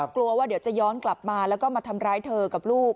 กลัวว่าเดี๋ยวจะย้อนกลับมาแล้วก็มาทำร้ายเธอกับลูก